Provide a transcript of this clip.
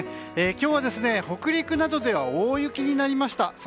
今日は北陸などでは大雪になりました。